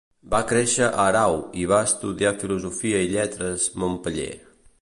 Va créixer a Erau i va estudiar Filosofia i Lletres Montpeller.